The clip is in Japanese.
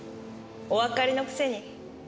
おわかりのくせに。